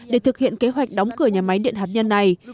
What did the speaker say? để thực hiện kế hoạch đóng cửa nhà máy điện hạt nhân này